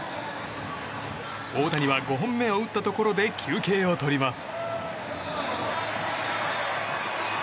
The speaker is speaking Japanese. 大谷は５本目を打ったところで休憩を取ります。